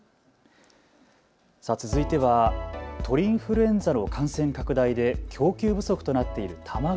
続いては鳥インフルエンザの感染拡大で供給不足となっている卵。